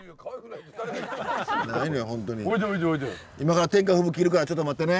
今から天下富舞切るからちょっと待ってね。